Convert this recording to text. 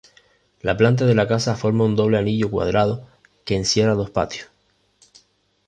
La planta de la casa forma un doble anillo cuadrado que encierra dos patios.